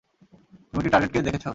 তুমি কি টার্গেটকে দেখেছ?